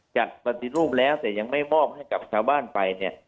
จัดปฏิรูปแล้วแต่ยังไม่มอบให้กับชาวบ้านไปเนี่ย